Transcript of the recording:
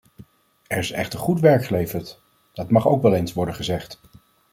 Er is echter goed werk geleverd, dat mag ook wel eens worden gezegd.